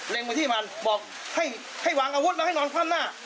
เล็งไปที่มันบอกให้ให้วางอาวุธแล้วให้นอนข้างหน้า